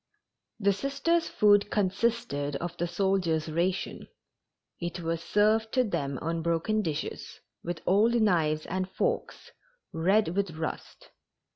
The Sisters' food consisted of the soldiers' ration. It was served to them on broken dishes, with old knives and forks, red with rust.